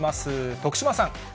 徳島さん。